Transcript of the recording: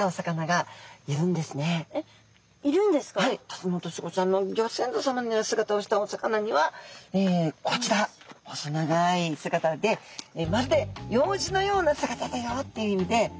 タツノオトシゴちゃんのギョ先祖さまのお姿をしたお魚にはこちら細長い姿でまるでヨウジのような姿だよっていう意味で。